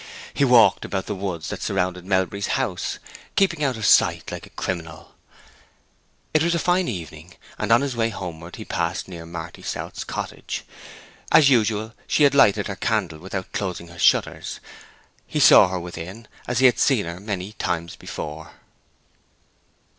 He walked about the woods that surrounded Melbury's house, keeping out of sight like a criminal. It was a fine evening, and on his way homeward he passed near Marty South's cottage. As usual she had lighted her candle without closing her shutters; he saw her within as he had seen her many times before.